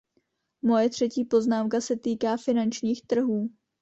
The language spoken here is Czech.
Moje třetí poznámka se týká finančních trhů.